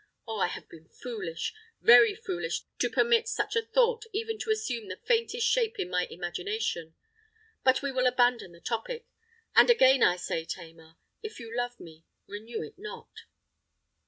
Oh! I have been foolish—very foolish to permit such a thought even to assume the faintest shape in my imagination. But we will abandon the topic;—and again I say, Tamar—if you love me, renew it not!"